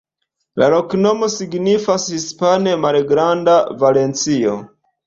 La loknomo signifas hispane: malgranda Valencio.